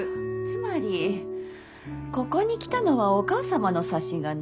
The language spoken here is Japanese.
つまりここに来たのはお母様の差し金？